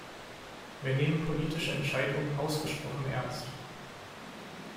Wir nehmen politische Entscheidungen ausgesprochen ernst.